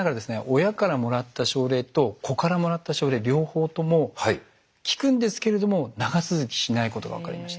親からもらった症例と子からもらった症例両方とも効くんですけれども長続きしないことが分かりました。